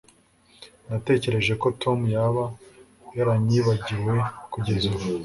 Natekereje ko Tom yaba yaranyibagiwe kugeza ubu